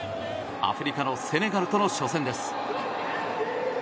アフリカのセネガルとの初戦です。